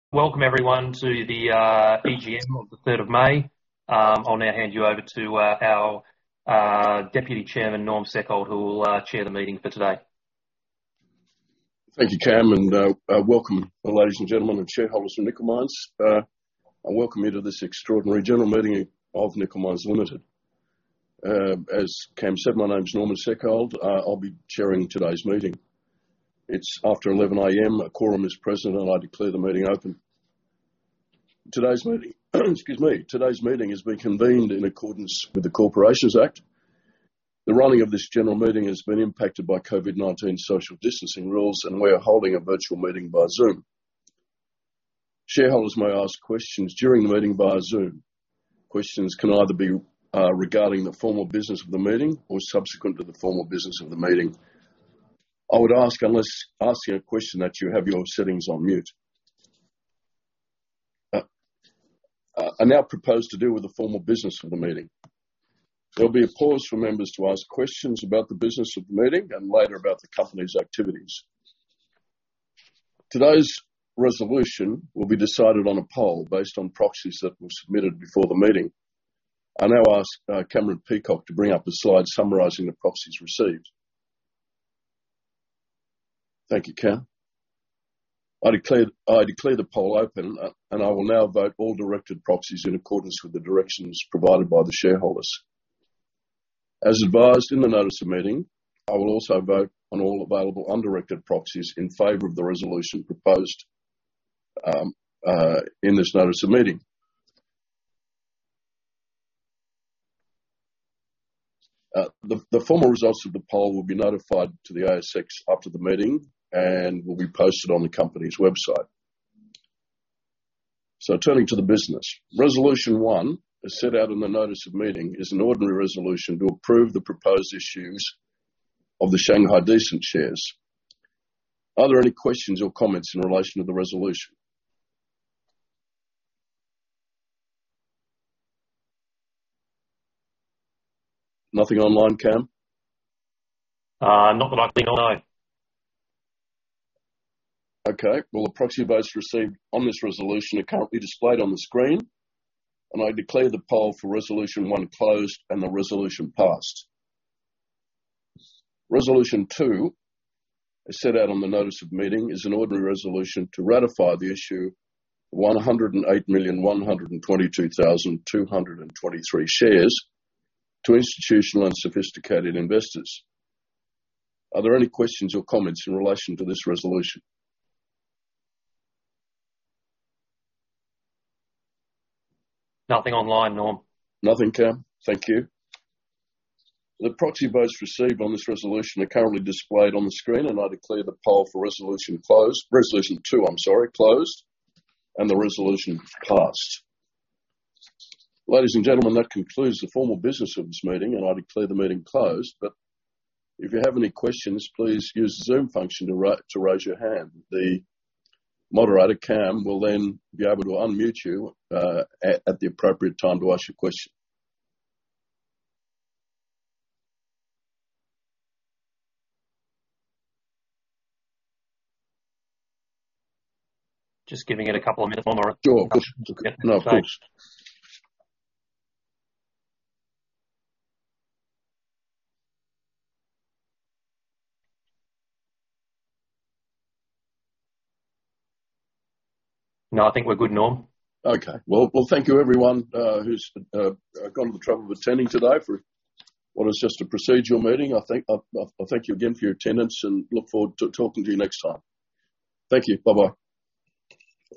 Welcome everyone to the EGM of the third of May. I'll now hand you over to our Deputy Chairman, Norman Seckold, who will chair the meeting for today. Thank you, Cam, and welcome ladies and gentlemen and shareholders of Nickel Industries. I welcome you to this extraordinary general meeting of Nickel Industries Limited. As Cam said, my name is Norman Seckold. I'll be chairing today's meeting. It's after 11 A.M. A quorum is present, and I declare the meeting open. Today's meeting has been convened in accordance with the Corporations Act. The running of this general meeting has been impacted by COVID-19 social distancing rules, and we are holding a virtual meeting via Zoom. Shareholders may ask questions during the meeting via Zoom. Questions can either be regarding the formal business of the meeting or subsequent to the formal business of the meeting. I would ask, unless asking a question, that you have your settings on mute. I now propose to deal with the formal business of the meeting. There'll be a pause for members to ask questions about the business of the meeting and later about the company's activities. Today's resolution will be decided on a poll based on proxies that were submitted before the meeting. I now ask Cameron Peacock to bring up a slide summarizing the proxies received. Thank you, Cam. I declare the poll open, and I will now vote all directed proxies in accordance with the directions provided by the shareholders. As advised in the notice of meeting, I will also vote on all available undirected proxies in favor of the resolution proposed in this notice of meeting. The formal results of the poll will be notified to the ASX after the meeting and will be posted on the company's website. Turning to the business. Resolution one, as set out in the notice of meeting, is an ordinary resolution to approve the proposed issues of the Shanghai Decent shares. Are there any questions or comments in relation to the resolution? Nothing online, Cam? not that I've seen, no. Okay. Well, the proxy votes received on this resolution are currently displayed on the screen, and I declare the poll for Resolution one closed and the resolution passed. Resolution two, as set out on the notice of meeting, is an ordinary resolution to ratify the issue of 108,122,223 shares to institutional and sophisticated investors. Are there any questions or comments in relation to this resolution? Nothing online, Norm. Nothing, Cam. Thank you. The proxy votes received on this resolution are currently displayed on the screen, and I declare the poll for resolution closed, resolution two, I'm sorry, closed and the resolution passed. Ladies and gentlemen, that concludes the formal business of this meeting, and I declare the meeting closed. If you have any questions, please use the Zoom function to raise your hand. The moderator, Cam, will then be able to unmute you at the appropriate time to ask your question. Just giving it a couple of minutes, Norm. Sure. No, I think we're good, Norm. Okay. Well, thank you everyone, who's gone to the trouble of attending today for what is just a procedural meeting. I thank you again for your attendance and look forward to talking to you next time. Thank you. Bye-bye.